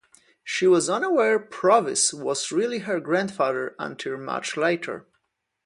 She was unaware Provis was really her grandfather until much later.